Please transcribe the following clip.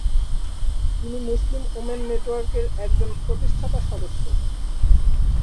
তিনি "Muslim women network" এর একজন প্রতিষ্ঠাতা সদস্য।